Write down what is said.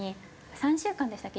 ４週間でしたっけ？